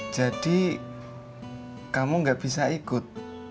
kamu gak bisa ikut